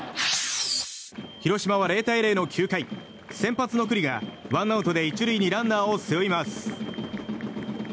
広島は０対０の９回先発の九里がワンアウトで１塁にランナーを背負います。